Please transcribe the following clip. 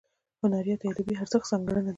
هنریت یا ادبي ارزښت ځانګړنه ده.